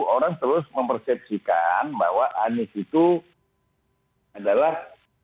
orang terus mempersepsikan bahwa anies itu adalah